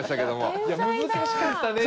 難しかったね